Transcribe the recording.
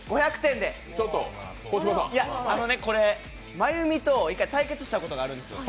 真弓と一回対決したことがあるんですよ。